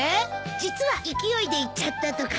実は勢いで言っちゃったとかさ。